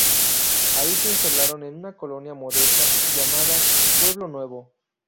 Ahí se instalaron en una colonia modesta llamada Pueblo Nuevo.